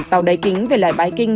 tàu đáy kính về lại bãi kinh